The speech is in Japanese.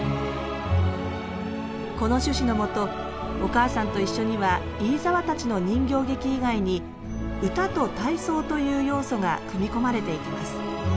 この趣旨の下「おかあさんといっしょ」には飯沢たちの人形劇以外に歌と体操という要素が組み込まれていきます。